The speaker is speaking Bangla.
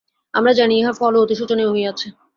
আমরা জানি, ইহার ফলও অতি শোচনীয় হইয়াছে।